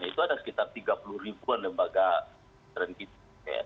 itu ada sekitar tiga puluh ribuan lembaga tren kita